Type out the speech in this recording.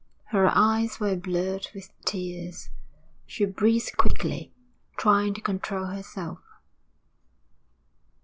Her eyes were blurred with tears. She breathed quickly, trying to control herself.